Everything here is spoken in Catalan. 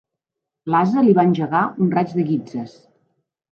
L'ase li va engegar un raig de guitzes.